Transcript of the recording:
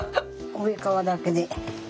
上側だけで。